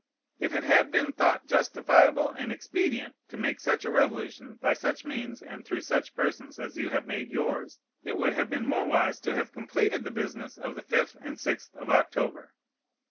If it had been thought justifiable and expedient to make such a revolution by such means and through such persons as you have made yours, it would have been more wise to have completed the business of the fifth and sixth of October.